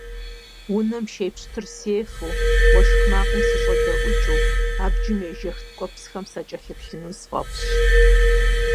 Унэм шей пщтыр сефэу, уэшх макъым сыщӏэдэӏукӏыу, абджым ежэх ткӀуэпсхэм сакӏэлъыплъыну сфӀэфӀщ.